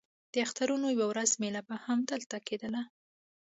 د اخترونو یوه ورځ مېله به هم همدلته کېدله.